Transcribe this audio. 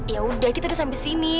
ya udah kita udah sampai sini